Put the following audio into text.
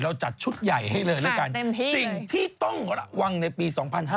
จัดชุดใหญ่ให้เลยแล้วกันสิ่งที่ต้องระวังในปี๒๕๕๙